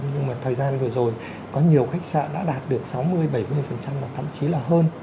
nhưng mà thời gian vừa rồi có nhiều khách sạn đã đạt được sáu mươi bảy mươi và thậm chí là hơn